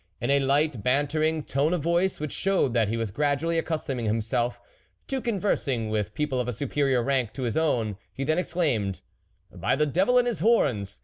In a light, bantering tone of voice which showed that he was gradually accustoming himself to con versing with people of a superior rank to his own he then exclaimed ;" By the Devil and his horns